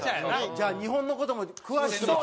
じゃあ日本の事も詳しいのか。